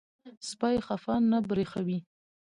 سپي خفه نه پرېښوئ.